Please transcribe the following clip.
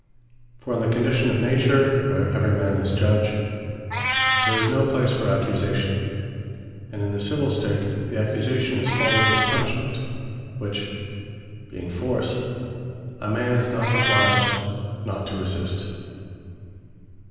For in the condition of Nature, where every man is Judge, there is no place for Accusation: and in the Civill State, the Accusation is followed with Punishment; which being Force, a man is not obliged not to resist.